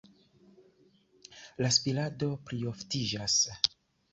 La spirado plioftiĝas.